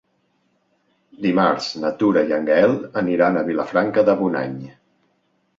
Dimarts na Tura i en Gaël aniran a Vilafranca de Bonany.